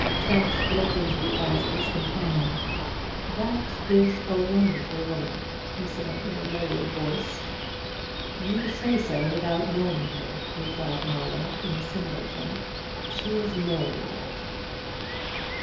Trent looked into the eyes of his companion. "That is a wonderful woman," he said in a lowered voice. "You say so without knowing her," replied Marlowe in a similar tone. "She is more than that."